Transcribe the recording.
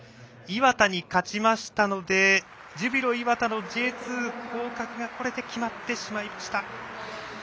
磐田に勝ちましたのでジュビロ磐田のＪ２降格がこれで決まってしまいました。